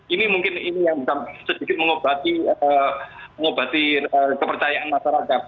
ini mungkin yang sedikit mengobati kepercayaan masyarakat